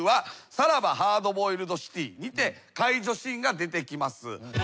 「さらばハードボイルド・シティー」にて解除シーンが出てきます。